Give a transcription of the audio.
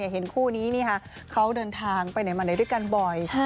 เห็นคู่นี้เขาเดินทางไปไหนมาไหนด้วยกันบ่อย